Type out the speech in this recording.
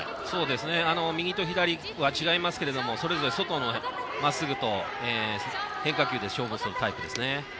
右と左は違いますがそれぞれ外のまっすぐと変化球で勝負するタイプですね。